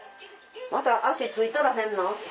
また足ついとらへんの？